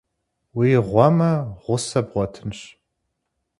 Уи гъуэмэ, гъусэ бгъуэтынщ.